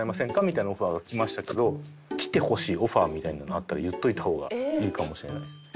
みたいなオファーが来ましたけど来てほしいオファーみたいなのがあったら言っといた方がいいかもしれないです。